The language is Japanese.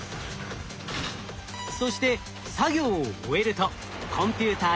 そして作業を終えるとコンピューターに報告。